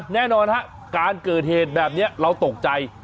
แน่นอนฮะการเกิดเหตุแบบนี้เราตกใจ